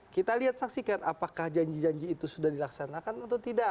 kita lihat saksikan apakah janji janji itu sudah dilaksanakan atau tidak